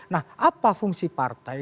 nah apa fungsi partai